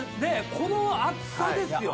この厚さですよ。